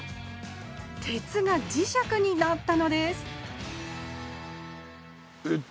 鉄が磁石になったのですえっ